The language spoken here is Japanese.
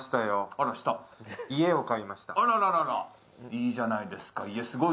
あらららら、いいじゃないです。か。